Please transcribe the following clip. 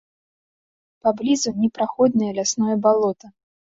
Паблізу непраходнае лясное балота.